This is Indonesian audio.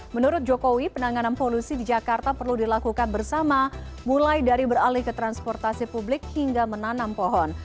menurut jokowi penanganan polusi di jakarta perlu dilakukan bersama mulai dari beralih ke transportasi publik hingga menanam pohon